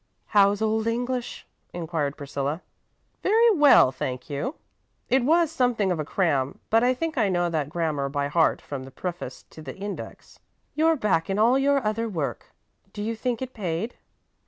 "How's Old English?" inquired Priscilla. "Very well, thank you. It was something of a cram, but I think I know that grammar by heart, from the preface to the index." "You're back in all your other work. Do you think it paid?"